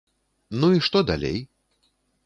Ну і што далей?